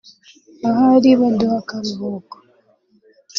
ahari baduha akaruhuko